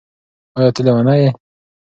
ایا ته لیونی یې؟